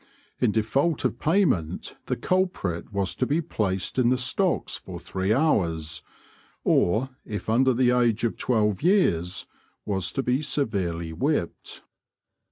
In default of payment the culprit was to be placed in the stocks for three hours, or if under the age of twelve years was to be severely whipped.